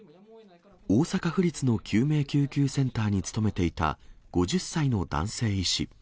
大阪府立の救命救急センターに勤めていた５０歳の男性医師。